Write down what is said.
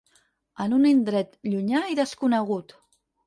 En un indret llunyà i desconegut.